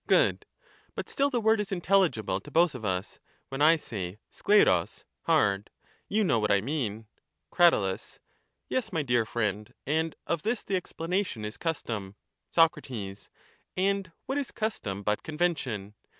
Good. But still the word is inteUigible to both of us ; when I say OKXrjpbg (hard), you know what I mean. Crat. Yes, my dear friend, and of this the explanation is custom. Soc. And what is custom but convention?